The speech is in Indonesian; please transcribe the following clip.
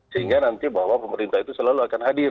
sehingga nanti bahwa pemerintah itu selalu akan hadir